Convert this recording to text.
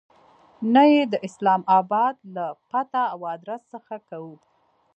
نه یې د اسلام آباد له پته او آدرس څخه کوو.